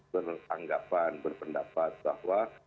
beranggapan berpendapat bahwa